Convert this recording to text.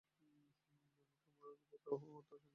অমিত কোথাও আর সান্ত্বনা পেল না।